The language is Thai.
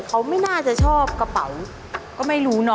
เขาไม่น่าจะชอบกระเป๋าก็ไม่รู้เนาะ